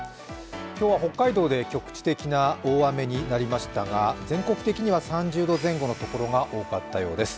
今日は北海道で局地的な大雨になりましたが、全国的には３０度前後の所が多かったようです。